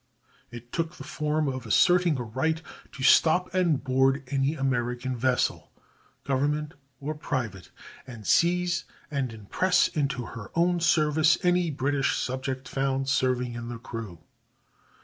It took the form of asserting her right to stop and board any American vessel, governmental or private, and seize and impress into her own service any British subject found serving in the crew.